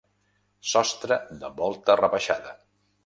Sostre de volta rebaixada.